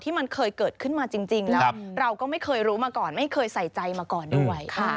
มันเคยเกิดขึ้นมาจริงแล้วเราก็ไม่เคยรู้มาก่อนไม่เคยใส่ใจมาก่อนด้วย